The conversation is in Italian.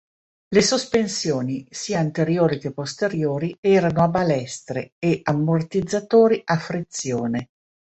Le sospensioni, sia anteriori che posteriori, erano a balestre e ammortizzatori a frizione.